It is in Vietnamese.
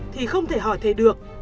thì không thể hỏi thầy được